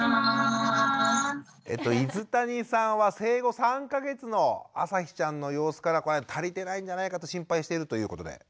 泉谷さんは生後３か月のあさひちゃんの様子から足りてないんじゃないかと心配しているということで。